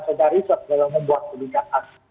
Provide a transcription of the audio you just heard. saudari saudari yang membuat kebijakan